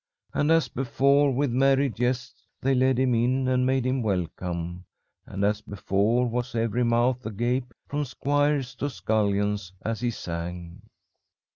And as before, with merry jests they led him in and made him welcome. And as before, was every mouth agape from squire's to scullion's, as he sang.